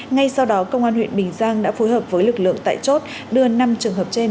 ngay sau đó công an huyện bình giang đã phối hợp với lực lượng tại chốt đưa năm trường hợp trên